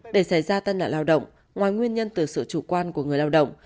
để xảy ra tai nạn lao động ngoài nguyên nhân từ sự chủ quan của người lao động